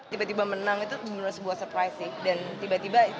tiba tiba menang itu benar benar sebuah surprise sih